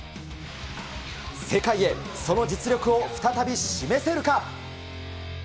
世界へその実力を再び示せるか。